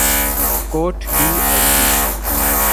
quote D Ivory